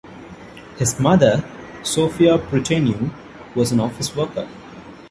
His mother, Sofia Pruteanu, was an office worker.